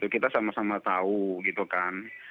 kita sama sama tahu gitu kan